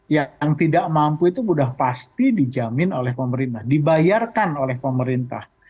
yang tidak mampu itu sudah pasti dijamin oleh pemerintah dibayarkan oleh pemerintah